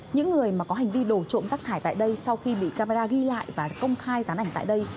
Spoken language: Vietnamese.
những người mà có hành vi đổ trộm rác thải tại đây sau khi bị camera ghi lại và công khai gián ảnh tại đây